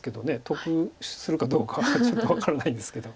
得するかどうかはちょっと分からないんですけど。